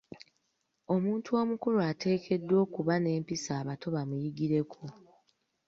Omuntu omukulu ateekeddwa okuba n'empisa abato bamuyigireko